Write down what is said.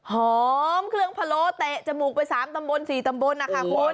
หอมเครื่องพะโลเตะจมูกไป๓ตำบล๔ตำบลนะคะคุณ